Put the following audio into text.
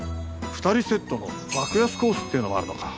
２人セットの爆安コースっていうのもあるのか。